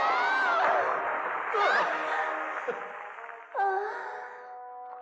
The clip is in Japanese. ああ。